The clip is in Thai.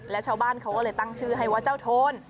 และชาวบ้านเขาก็เลยตั้งชื่อให้ว่าเจ้าโทน